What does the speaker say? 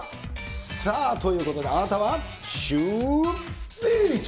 さあ、ということであなたはシューＷｈｉｃｈ。